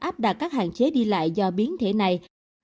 áp đặt các hạn chế đi lại do biến thể này